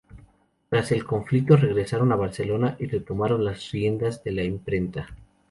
Tras el conflicto, regresaron a Barcelona y retomaron las riendas de la imprenta.